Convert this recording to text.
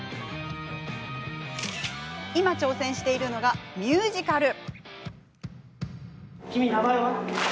今、挑戦しているのがミュージカル。